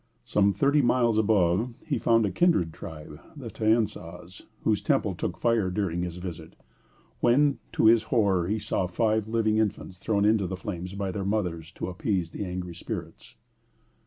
Some thirty miles above he found a kindred tribe, the Taensas, whose temple took fire during his visit, when, to his horror, he saw five living infants thrown into the flames by their mothers to appease the angry spirits.